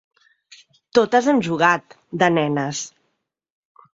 Totes hem jugat, de nenes.